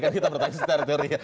kan kita bertanya secara teori ya